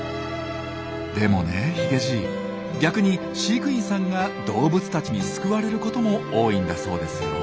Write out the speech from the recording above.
でもねヒゲじい逆に飼育員さんが動物たちに救われることも多いんだそうですよ。